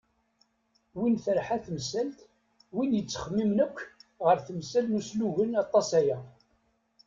Win terḥa temsalt, win yettxemmimen akk ɣer temsal n uslugen aṭas aya.